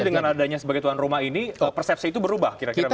jadi sebagai tuan rumah ini persepsi itu berubah kira kira begitu